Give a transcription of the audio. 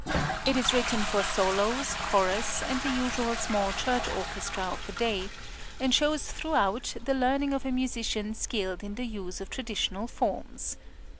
It is written for solos, chorus, and the usual small church orchestra of the day, and shows throughout the learning of a musician skilled in the use of traditional forms.